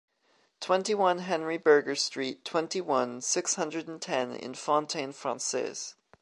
Twenty-one Henry Berger street, twenty-one, six hundred and ten in Fontaine-Française.